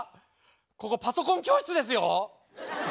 ここパソコン教室ですよ。